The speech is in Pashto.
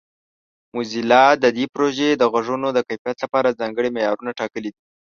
موزیلا د دې پروژې د غږونو د کیفیت لپاره ځانګړي معیارونه ټاکلي دي.